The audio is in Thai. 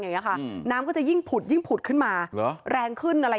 อย่างนี้ค่ะน้ำก็จะยิ่งผุดยิ่งผุดขึ้นมาเหรอแรงขึ้นอะไร